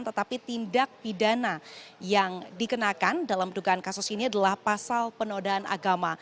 tetapi tindak pidana yang dikenakan dalam dugaan kasus ini adalah pasal penodaan agama